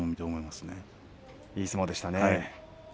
いい相撲でしたね。